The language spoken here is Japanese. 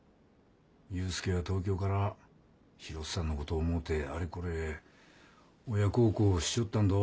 祐介は東京からひろっさんのこと思うてあれこれ親孝行しちょったんど。